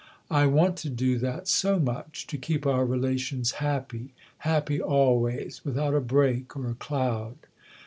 I want to do that so much to keep our relations happy, happy always, without a break or a cloud.